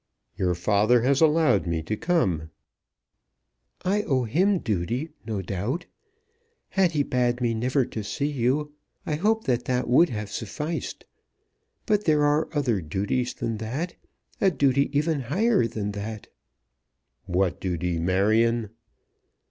"Your father has allowed me to come." "I owe him duty, no doubt. Had he bade me never to see you, I hope that that would have sufficed. But there are other duties than that, a duty even higher than that." "What duty, Marion?"